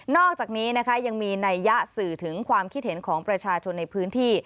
อกจากนี้นะคะยังมีนัยยะสื่อถึงความคิดเห็นของประชาชนในพื้นที่